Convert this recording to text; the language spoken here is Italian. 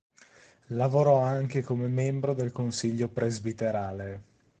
Lavorò anche come membro del Consiglio Presbiterale.